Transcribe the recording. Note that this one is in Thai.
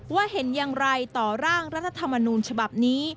เห็นอย่างไรต่อร่างรัฐธรรมนูญฉบับนี้